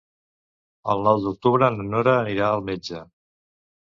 El nou d'octubre na Nora anirà al metge.